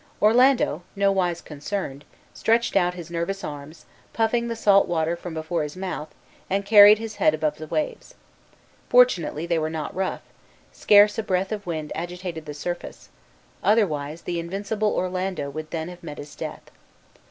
Orlando, nowise concerned, stretched out his nervous arms, puffing the salt water from before his mouth, and carried his head above the waves. Fortunately they were not rough, scarce a breath of wind agitated the surface; otherwise, the invincible Orlando would then have met his death.